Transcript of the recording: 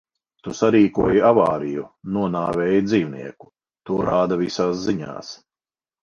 Tu sarīkoji avāriju, nonāvēji dzīvnieku. To rāda visās ziņās.